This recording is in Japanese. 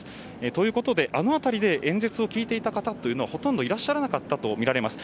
ということで、あの辺りで演説を聞いていた方はほとんどいらっしゃらなかったと思われます。